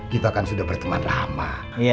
kita kan sudah berteman ramah